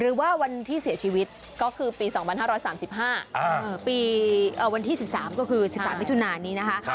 หรือว่าวันที่เสียชีวิตก็คือปี๒๕๓๕วันที่๑๓ก็คือ๑๓มิถุนานี้นะคะ